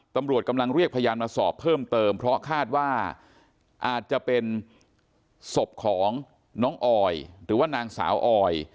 ตำรวจกำลังเรียกพยานมาสอบเพิ่มเติมเพราะคาดว่าอาจจะเป็นศพของน้องออยหรือว่านางสาวออย